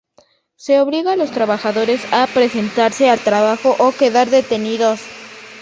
Se obliga a los trabajadores a presentarse al trabajo o quedar detenidos.